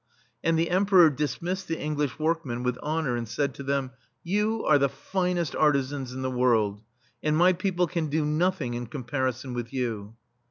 * And the Emperor dismissed the English workmen with honor, and said to them : "You are the finest artisans in the world, and my people can do nothing in comparison with you."